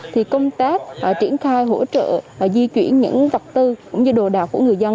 thì công tác triển khai hỗ trợ di chuyển những vật tư cũng như đồ đạc của người dân